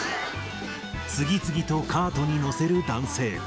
次々とカートに載せる男性。